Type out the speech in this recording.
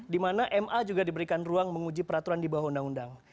di mana ma juga diberikan ruang menguji peraturan di bawah undang undang